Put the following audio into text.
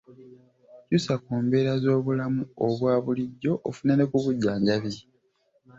Kyusa Ku mbeera z'obulamu obwa bulijjo ofune ne ku bujjanjabi